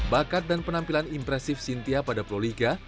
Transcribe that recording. bakat dan penampilan impresif cynthia pada proliga